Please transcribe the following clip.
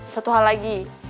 satu hal lagi